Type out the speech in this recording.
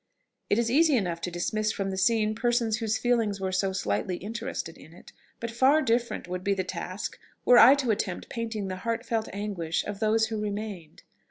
It is easy enough to dismiss from the scene persons whose feelings were so slightly interested in it; but far different would be the task were I to attempt painting the heartfelt anguish of those who remained.